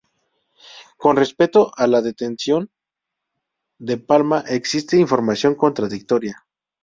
Con respecto a la detención de Palma existe información contradictoria.